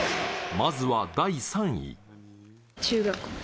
まずは第３位。